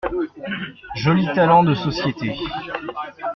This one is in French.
Joli talent de société !